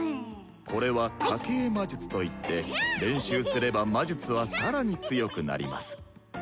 これは家系魔術といって練習すれば魔術は更に強くなります。